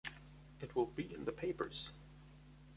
It will be in the papers!